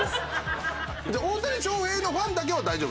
大谷翔平のファンだけは大丈夫？